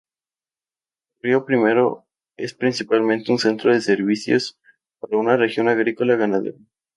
Río Primero es principalmente un centro de servicios para una región agrícola-ganadera.